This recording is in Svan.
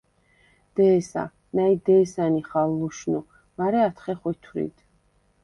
დე̄სა, ნა̈ჲ დე̄სა ნიხალ ლუშნუ, მარე ათხე ხვითვრიდ.